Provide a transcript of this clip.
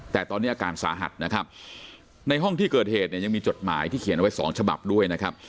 แต่ตอนนี้อาการสาหัสนะครับในห้องที่เกิดเหตุเนี่ยยังมีจดหมายที่เขียนเอาไว้สองฉบับด้วยนะครับ